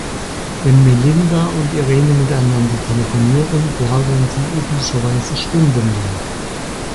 Wenn Melinda und Irene miteinander telefonieren, plaudern sie üblicherweise stundenlang.